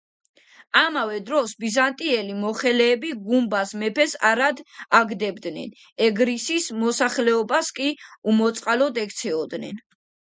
ამავე დროს ბიზანტიელი მოხელეები გუბაზ მეფეს არად აგდებდნენ, ეგრისის მოსახლეობას კი უმოწყალოდ ექცეოდნენ